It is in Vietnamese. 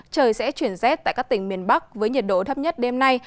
trời sẽ chuyển rét tại các tỉnh miền bắc với nhiệt độ thấp nhất đêm nay